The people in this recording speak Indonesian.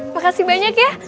makasih banyak ya